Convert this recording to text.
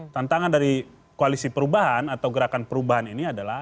tantangan dari koalisi perubahan atau gerakan perubahan ini adalah